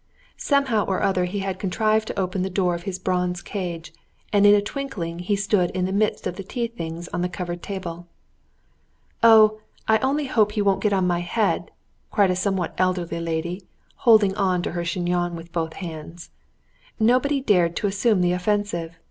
Somehow or other he had contrived to open the door of his bronze cage, and in a twinkling he stood in the midst of the tea things on the covered table. "Oh, I only hope he won't get on my head!" cried a somewhat elderly lady, holding on to her chignon with both hands. Nobody dared to assume the offensive.